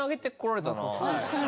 確かに。